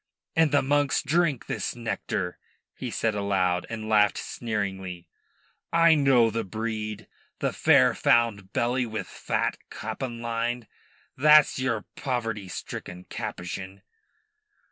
"And the monks drink this nectar?" he said aloud, and laughed sneeringly. "I know the breed the fair found belly wi' fat capon lined. Tha's your poverty stricken Capuchin."